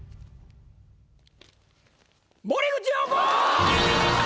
森口瑤子！